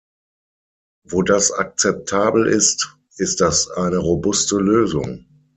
Wo das akzeptabel ist, ist das eine robuste Lösung.